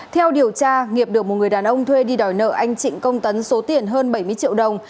theo điều tra nghiệp được một người đàn ông thuê đi đòi nợ anh trịnh công tấn số tiền hơn bảy mươi triệu đồng